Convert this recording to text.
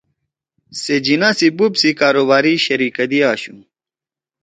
سے جناح سی بوپ سی کاروباری شیریکَدی آشُو